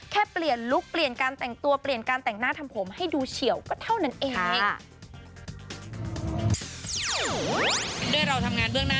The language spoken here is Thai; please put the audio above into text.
แค่เปลี่ยนลุคเปลี่ยนการแต่งตัวเปลี่ยนการแต่งหน้าทำผมให้ดูเฉียวก็เท่านั้นเอง